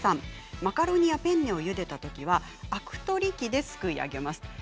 マカロニやペンネをゆでたときはアク取り機ですくい上げます。